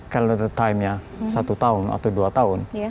kalender time nya satu atau dua tahun